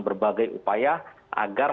berbagai upaya agar